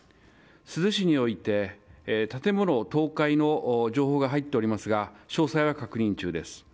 珠洲市において建物倒壊の情報が入っておりますが詳細は確認中です。